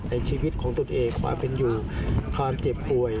ในชีวิตของตนเองความเป็นอยู่ความเจ็บป่วย